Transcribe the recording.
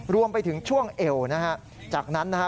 รวมไปถึงช่วงเอวนะฮะจากนั้นนะฮะ